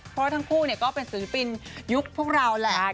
เพราะว่าทั้งคู่เนี่ยก็เป็นศึกปินยุคพวกเราแหละ